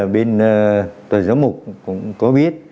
bên tòa giáo mục cũng có biết